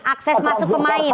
akses masuk pemain